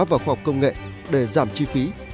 và khoa học công nghệ để giảm chi phí